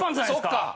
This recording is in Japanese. そっか！